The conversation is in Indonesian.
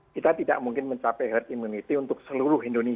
kita tidak mungkin mencapai herd immunity untuk seluruh indonesia